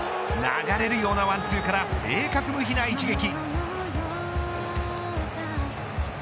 流れるようなワンツーから正確無比な一撃。